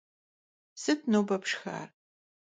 Sıt nobe pşşxar?